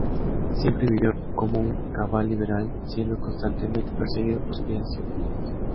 Siempre vivió como un cabal liberal, siendo constantemente perseguido por sus ideas y opiniones.